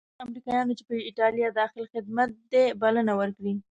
تر څو د هغو امریکایانو چې په ایټالیا کې داخل خدمت دي پالنه وکړي.